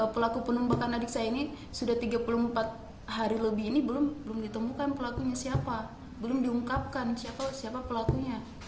pelaku penembakan adik saya ini sudah tiga puluh empat hari lebih ini belum ditemukan pelakunya siapa belum diungkapkan siapa siapa pelakunya